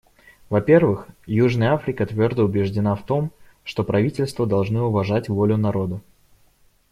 Во-первых, Южная Африка твердо убеждена в том, что правительства должны уважать волю народа.